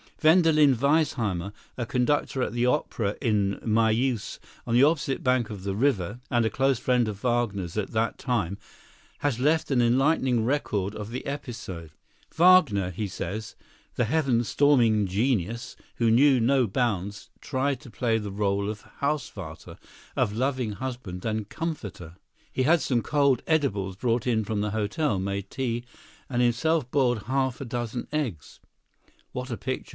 Wendelin Weissheimer, a conductor at the opera in Mayeuse on the opposite bank of the river and a close friend of Wagner's at that time, has left an enlightening record of the episode. Wagner, he says, "the heaven storming genius, who knew no bounds, tried to play the rôle of Hausvater—of loving husband and comforter. He had some cold edibles brought in from the hotel, made tea, and himself boiled half a dozen eggs. [What a picture!